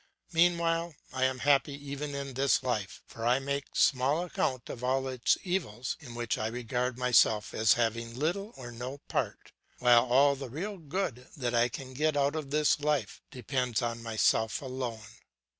Meanwhile I am happy even in this life, for I make small account of all its evils, in which I regard myself as having little or no part, while all the real good that I can get out of this life depends on myself alone.